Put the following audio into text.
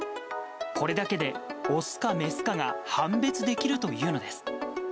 これだけでオスかメスかが判別できるというのです。